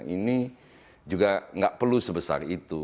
ini juga nggak perlu sebesar itu